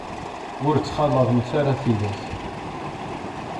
Ur ttxalaḍemt ara tidak.